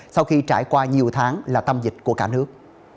sau khi trải qua nhiều tháng là tâm dịch của cả nước